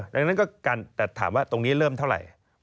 ดังนั้นก็การแต่ถามว่าตรงนี้เริ่มเท่าไหร่